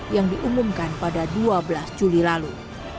yang diumumkan pada dua belas juli lalu